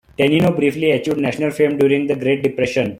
Tenino briefly achieved national fame during the Great Depression.